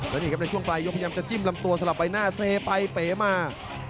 แล้วนี่ครับในช่วงปลายยกพยายามจะจิ้มลำตัวสลับใบหน้าเซไปเป๋มา